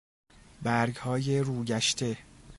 برگ های روگشته